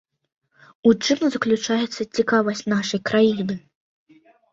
У чым заключаецца цікавасць нашай краіны?